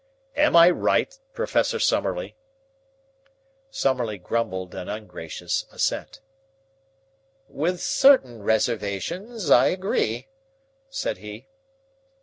Am I right, Professor Summerlee?" Summerlee grumbled an ungracious assent. "With certain reservations, I agree," said he.